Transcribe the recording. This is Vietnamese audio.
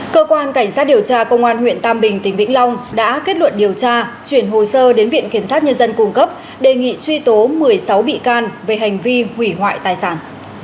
cơ quan cảnh sát điều tra công an huyện tam bình tỉnh vĩnh long đã kết luận điều tra chuyển hồ sơ đến viện kiểm sát nhân dân cung cấp đề nghị truy tố một mươi sáu bị can về hành vi hủy hoại tài sản